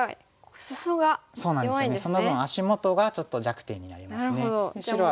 その分足元がちょっと弱点になりますね。